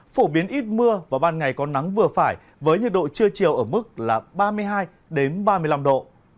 phổ biến ít mưa và ban ngày có nắng vừa phải với nhiệt độ trưa chiều ở mức là ba mươi hai ba mươi năm độ